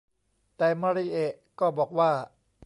แต่มาริเอะก็บอกว่า